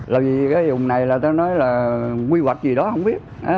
làm gì cái vùng này là tôi nói là quy hoạch gì đó không biết